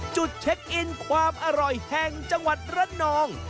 จุดเช็คอินความอร่อยแห่งจังหวัดระนอง